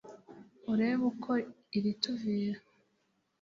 urebe uko irituvira